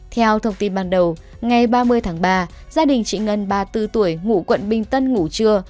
theo thông tin ban đầu ngày ba mươi tháng ba gia đình chị ngân ba mươi bốn tuổi ngụ quận bình tân ngủ trưa